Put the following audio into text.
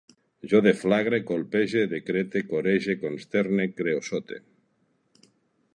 Jo deflagre, colpege, decrete, corege, consterne, creosote